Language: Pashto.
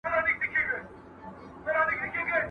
په کوم کور کي چي تصوير وي، هلته ملائکي نه داخليږي.